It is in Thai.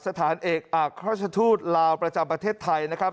สถานเอกอักราชทูตลาวประจำประเทศไทยนะครับ